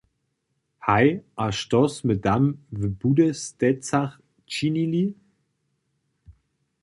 Haj, a što smy tam w Budestecach činili?